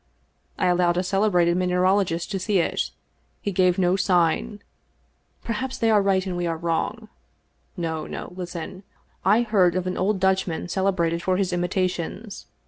I allowed a celebrated mineralogist to see it; he gave no sign "" Perhaps they are right and we are wrong." " No, no. Listen. I heard of an old Dutchman cele brated for his imitations.